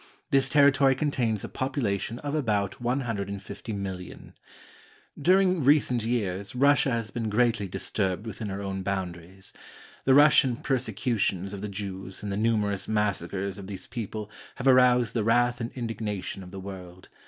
This territory contains a population of about 150,000,000. During recent years Russia has been greatly disturbed within her own boundaries. The Russian persecutions of the Jews and the numerous massacres of these people have arous&d the wrath and indignation of the world.